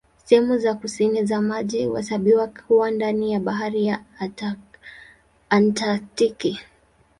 Sehemu za kusini za maji huhesabiwa kuwa ndani ya Bahari ya Antaktiki.